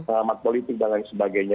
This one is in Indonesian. selamat politik dan lain sebagainya